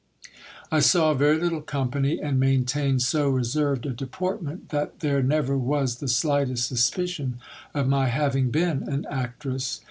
I saw very little company, and maintained so reserved a deportment, that there never was the slightest suspicion of my having been an actress.